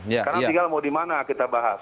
karena tinggal mau di mana kita bahas